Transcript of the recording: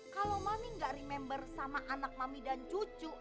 kalau mami gak remember sama anak mami dan cucu